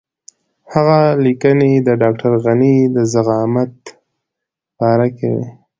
هغه لیکنې د ډاکټر غني د زعامت په باره کې وې.